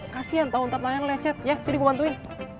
kasian tau tau yang lecet ya sini gue bantuin